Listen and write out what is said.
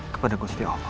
kepada gusti allah